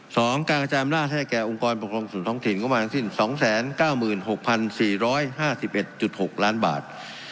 สองการกระจายอำนาจให้แก่องค์กรปกครองส่วนท้องถิ่นก็มาถึงจุด๒๙๖๔๕๑๖ล้านบาท